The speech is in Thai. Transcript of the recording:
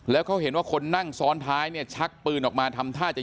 แล้วเขาเห็นว่าคนนั่งซ้อนท้ายเนี่ยชักปืนออกมาทำท่าจะ